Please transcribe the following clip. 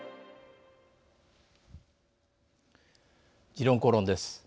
「時論公論」です。